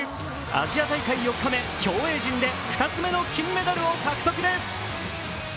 アジア大会４日目、競泳陣で２つ目の金メダルを獲得です。